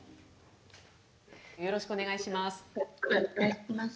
よろしくお願いします。